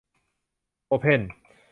โอเพ่น